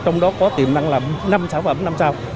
trong đó có tiềm năng là năm sản phẩm năm sao